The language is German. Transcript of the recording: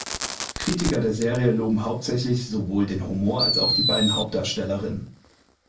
Kritiker der Serie loben hauptsächlich sowohl den Humor als auch die beiden Hauptdarstellerinnen.